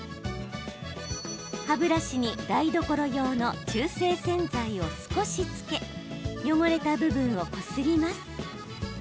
歯ブラシに台所用の中性洗剤を少しつけ汚れた部分をこすります。